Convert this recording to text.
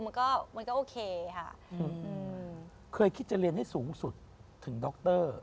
มันก็โอเคครับ